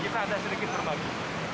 kita ada sedikit berbagi